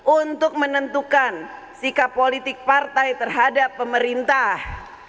untuk menentukan sikap politik partai terhadap pemerintah